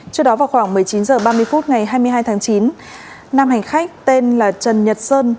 trước đó vào khoảng một mươi chín h ba mươi phút ngày hai mươi hai tháng chín nam hành khách tên là trần nhật sơn